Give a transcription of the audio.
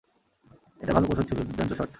এটা ভাল কৌশল ছিলো, দুর্দান্ত সট।